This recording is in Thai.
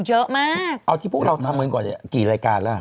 เอาที่พวกเราทำเงินก่อนกี่รายการแล้ว